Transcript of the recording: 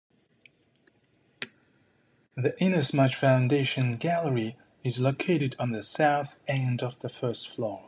The Inasmuch Foundation Gallery is located on the south end of the first floor.